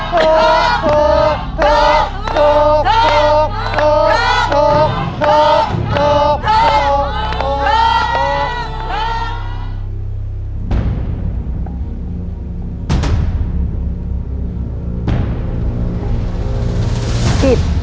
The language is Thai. ถูกถูกถูกถูกถูกถูก